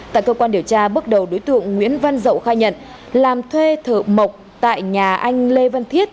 tại cơ quan điều tra bước đầu đối tượng nguyễn văn dậu khai nhận làm thuê thợ mộc tại nhà anh lê văn thiết